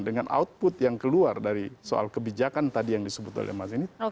dengan output yang keluar dari soal kebijakan tadi yang disebut oleh mas ini